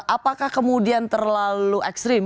apakah kemudian terlalu ekstrim